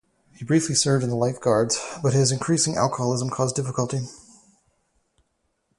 He briefly served in the Life Guards but his increasing alcoholism caused difficulty.